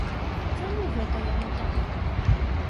Чаму гэта яно так?